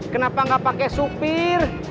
kenapa gak pake supir